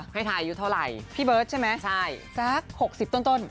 ให้ถ่ายือเท่าไหร่พี่เบิร์ดใช่ไหมสัก๖๐ต้น